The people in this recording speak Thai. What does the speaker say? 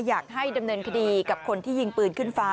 อยากให้ดำเนินคดีกับคนที่ยิงปืนขึ้นฟ้า